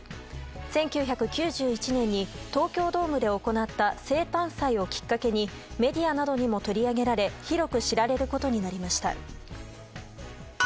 １９９１年に東京ドームで行った生誕祭をきっかけにメディアなどにも取り上げられ広く知られることになりました。